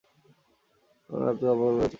কোন ধাপকেই অবহেলা করা উচিত নয়।